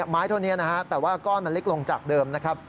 ไม้เท่านี้นะฮะแต่ว่าก้อนมันเล็กลงจากเดิมนะครับ